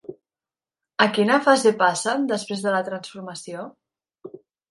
A quina fase passen després de la transformació?